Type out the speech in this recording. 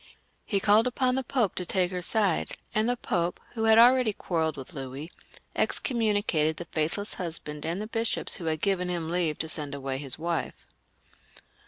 He called upon the Pope to take her side, and the Pope, who had already quarrelled with Louis, as I said before, excommunicated the faithless husband and the bishops who had given him leave to send away his wife.